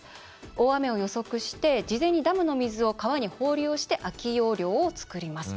大雨を予測して事前にダムの水を川に放流して空き容量を作ります。